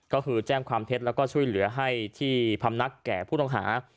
ก็คือแจ้งความเท็จแล้วก็ช่วยเหลือให้ที่พำนักแก่ผู้ต้องหา